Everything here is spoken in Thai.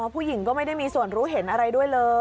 ผู้หญิงก็ไม่ได้มีส่วนรู้เห็นอะไรด้วยเลย